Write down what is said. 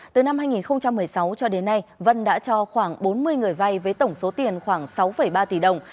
từ năm hai nghìn một mươi sáu cho đến nay vân đã cho khoảng bốn mươi người vay với tổng số tiền khoảng sáu ba tỷ đồng